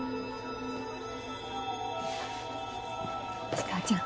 石川ちゃん